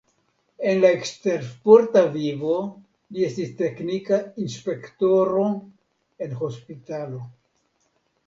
En la ekstersporta vivo li estis teknika inspektoro en hospitalo.